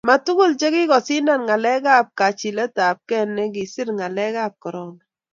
ma tugul che kikosindan ngalek ab kachilet ab gee ne kisir ngalek ab korona